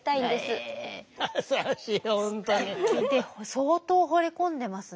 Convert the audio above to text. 相当ほれ込んでますね。